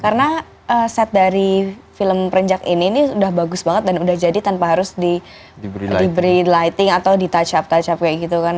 karena set dari film perenjak ini ini udah bagus banget dan udah jadi tanpa harus diberi lighting atau di touch up touch up kayak gitu kan